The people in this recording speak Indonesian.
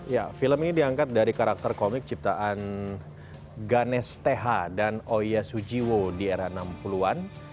ya film ini diangkat dari karakter komik ciptaan ganes tha dan oya sujiwo di era enam puluh an